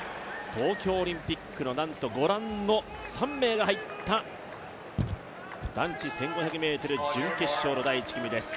東京オリンピックの、御覧の３名が入った男子１５００ｍ準決勝の第１組です。